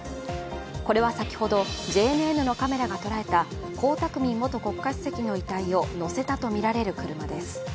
これは、先ほどＪＮＮのカメラが捉えた江沢民元国家主席の遺体をのせたとみられる車です。